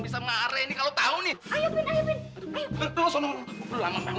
bisa marah ini kalau tahu nih